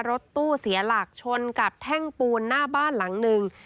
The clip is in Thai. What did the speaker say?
รถตู้เสียหลักชนกับแท่งปูนหน้าบ้านหลังหนึ่ง